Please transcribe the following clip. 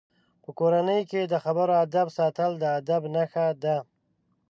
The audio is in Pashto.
په کورنۍ کې د خبرو آدب ساتل د ادب نښه ده.